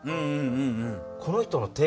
この人の手。